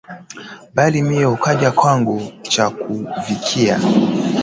Bali mie ukaja kwangu, chakuvikiya